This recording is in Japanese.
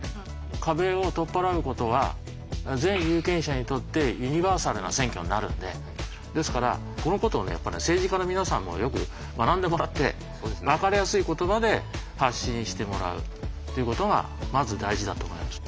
壁を取っ払うことは全有権者にとってユニバーサルな選挙になるのでですからこのことを政治家の皆さんもよく学んでもらってわかりやすい言葉で発信してもらうっていうことがまず大事だと思います。